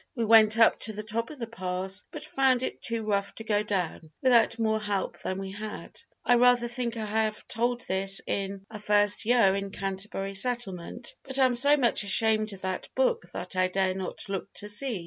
We went up to the top of the pass but found it too rough to go down without more help than we had. I rather think I have told this in A First Year in Canterbury Settlement, but am so much ashamed of that book that I dare not look to see.